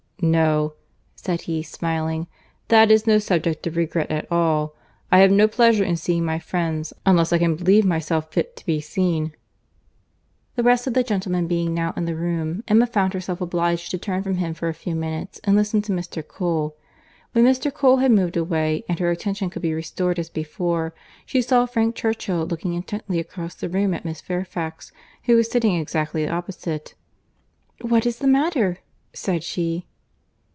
"No," said he, smiling, "that is no subject of regret at all. I have no pleasure in seeing my friends, unless I can believe myself fit to be seen." The rest of the gentlemen being now in the room, Emma found herself obliged to turn from him for a few minutes, and listen to Mr. Cole. When Mr. Cole had moved away, and her attention could be restored as before, she saw Frank Churchill looking intently across the room at Miss Fairfax, who was sitting exactly opposite. "What is the matter?" said she.